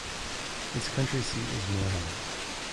Its county seat is Morehead.